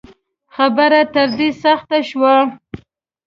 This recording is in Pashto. خبره تر دې سخته شوه